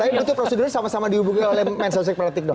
tapi itu prosedurnya sama sama dihubungi oleh menselsek politik dong